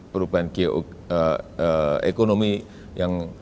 perubahan geoekonomi yang